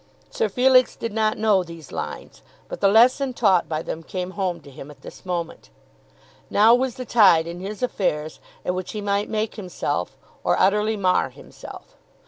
Sir Felix did not know these lines, but the lesson taught by them came home to him at this moment. Now was the tide in his affairs at which he might make himself, or utterly mar himself.